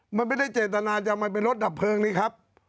มันไม่ได้เจตนาจะมาเป็นรถดับเพลิงนี่ครับ